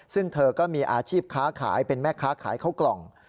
ซึ่งเธอก็มีอาชีพค้าขายเป็นแม่ค้าขายข้าวกล่อง